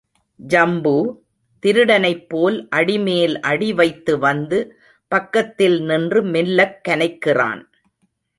ஜம்பு திருடனைப் போல் அடிமேல் அடிவைத்து வந்து பக்கத்தில் நின்று மெல்லக் கனைக்கிறான்.